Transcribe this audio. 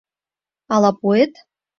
Ала пуэт?